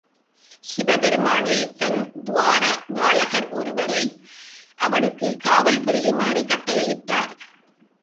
சிவபெருமானே தன் துவாரபாலகர் ஒருவரை அவனுக்குக் காவல் புரியுமாறு கட்டளையிடுகிறார்.